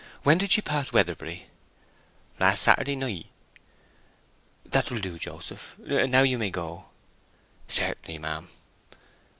When did she pass Weatherbury?" "Last Saturday night." "That will do, Joseph; now you may go." "Certainly, ma'am."